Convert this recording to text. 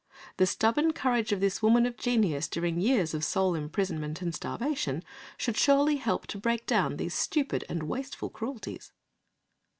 The stubborn courage of this woman of genius during years of soul imprisonment and starvation should surely help to break down these stupid and wasteful cruelties.